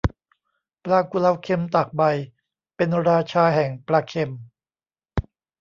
ปลากุเลาเค็ม ตากใบ เป็นราชาแห่งปลาเค็ม